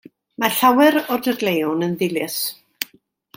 Mae llawer o'r dadleuon yn ddilys.